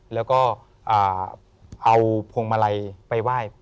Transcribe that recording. แล้วก็เอาพวงมาลัยไปไหว้